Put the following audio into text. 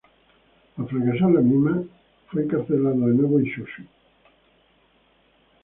Al fracasar la misma, fue encarcelado de nuevo en Chōshū.